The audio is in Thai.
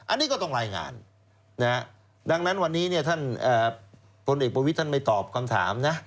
อันนี้ก็ต้องรายงานดังนั้นวันนี้ท่านพลเอกประวิทย์ท่านไม่ตอบคำถามนะ